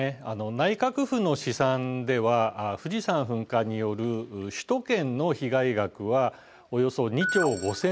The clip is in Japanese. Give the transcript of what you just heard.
内閣府の試算では富士山噴火による首都圏の被害額はおよそ２兆５，０００億円と試算されています。